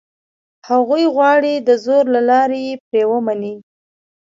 هغوی غواړي دزور له لاري یې پرې ومني.